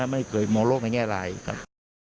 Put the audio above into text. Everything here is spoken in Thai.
ไม่เกิดมองโลกในแง่ไรครับ